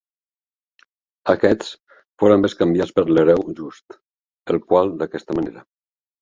Aquests foren bescanviats per l'Hereu Just, el qual d'aquesta manera.